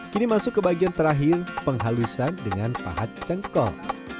kini masuk ke bagian terakhir penghalusan dengan pahat cengkol